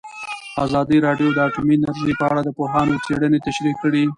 ازادي راډیو د اټومي انرژي په اړه د پوهانو څېړنې تشریح کړې.